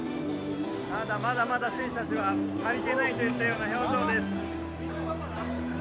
ただ、まだまだ選手たちは足りていないといった表情です。